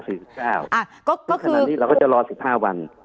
คือคนนั้นเราก็จะรอ๑๕วัน